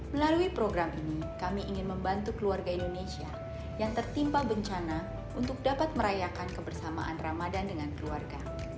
melalui program ini kami ingin membantu keluarga indonesia yang tertimpa bencana untuk dapat merayakan kebersamaan ramadan dengan keluarga